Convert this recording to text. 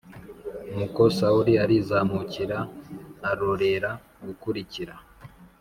Nuko Sawuli arizamukira arorera gukurikira